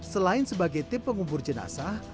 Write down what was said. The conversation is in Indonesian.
selain sebagai tim pengubur jenazah